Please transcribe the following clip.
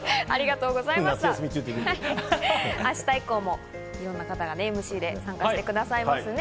明日以降もいろんな方がＭＣで参加してくださいますね。